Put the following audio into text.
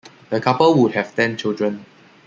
The couple would have ten children.